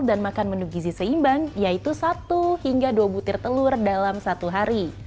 dan makan menu gizi seimbang yaitu satu hingga dua butir telur dalam satu hari